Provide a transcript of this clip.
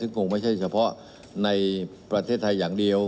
คงไม่ใช่เฉพาะในประเทศไทยอย่างเดียว